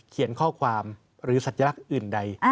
เขียนข้อความหรือสัญลักษณ์อื่นใด